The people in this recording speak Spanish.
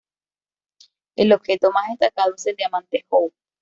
El objeto más destacado es el Diamante Hope.